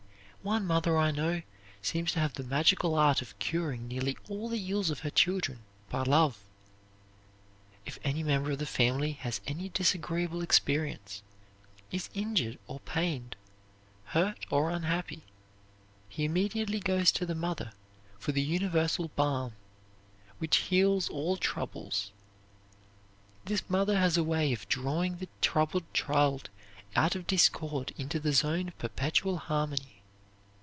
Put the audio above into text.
One mother I know seems to have the magical art of curing nearly all the ills of her children by love. If any member of the family has any disagreeable experience, is injured or pained, hurt or unhappy, he immediately goes to the mother for the universal balm, which heals all troubles. This mother has a way of drawing the troubled child out of discord into the zone of perpetual harmony.